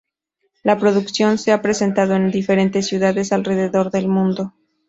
La producción se ha presentado en diferentes ciudades alrededor del mundo.